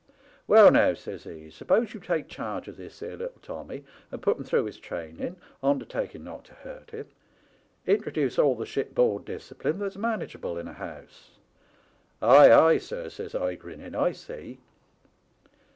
"* Well now,' says he, * suppose you take charge of this 'ere little Tommy and put him through his training, ondertaking not to hurt him. Introduce all the ship board discipline that's manageable in a house.' "' Ay, ay, sir,' says I, grinning, ' I see.'